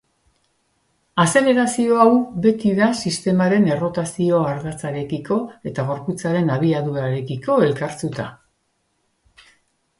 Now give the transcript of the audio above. Azelerazio hau beti da sistemaren errotazio-ardatzarekiko eta gorputzaren abiadurarekiko elkarzuta.